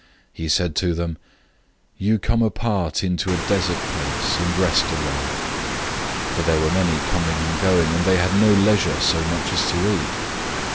006:031 He said to them, "You come apart into a deserted place, and rest awhile." For there were many coming and going, and they had no leisure so much as to eat.